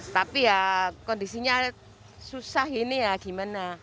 tapi ya kondisinya susah ini ya gimana